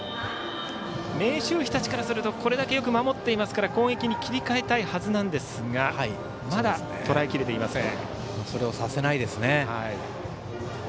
明秀日立からするとこれだけよく守っていますから攻撃に切り替えたいはずですがまだとらえきれていません。